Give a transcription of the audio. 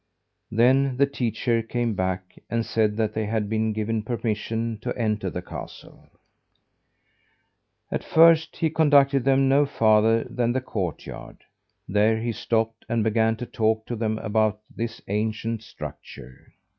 Then the teacher came back, and said that they had been given permission to enter the castle. At first he conducted them no farther than the courtyard. There he stopped and began to talk to them about this ancient structure.